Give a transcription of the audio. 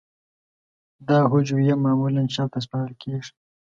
دا هجویه معمولاً چاپ ته سپارل کیږی.